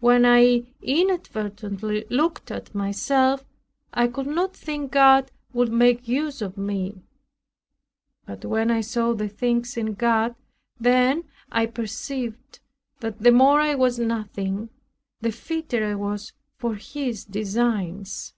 When I inadvertently looked at myself, I could not think God would make use of me; but when I saw the things in God, then I perceived that the more I was nothing, the fitter I was for His designs.